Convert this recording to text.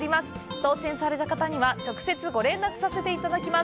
当せんされた方には、直接ご連絡させていただきます。